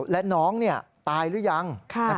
และน้องตายหรือยัง